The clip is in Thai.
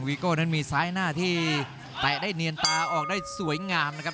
โก้นั้นมีซ้ายหน้าที่แตะได้เนียนตาออกได้สวยงามนะครับ